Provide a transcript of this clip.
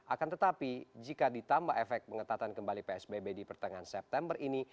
akan tetapi jika ditambah efek pengetatan kembali psbb di pertengahan september ini